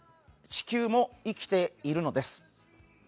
地球も生きているのです。